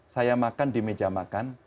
saya makan di meja makan